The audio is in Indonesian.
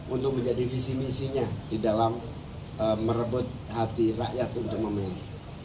untuk menjadi visi misinya di dalam merebut hati rakyat untuk memilih